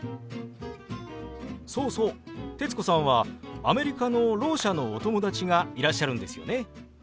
そうそう徹子さんはアメリカのろう者のお友達がいらっしゃるんですよね？